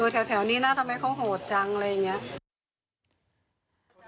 ตัวแถวนี้น่าทำให้เขาโหดจังอะไรอย่างนี้